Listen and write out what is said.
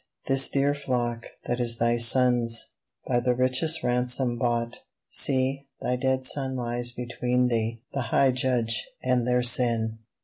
This dear flock, that is Thy Son's, By the richest ransom bought. See, Thy dead Son lies between, Thee, the High Judge, and their sin.